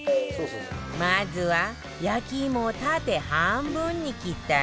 まずは焼き芋を縦半分に切ったら